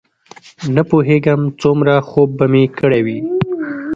نه پوهېږم څومره خوب به مې کړی وي.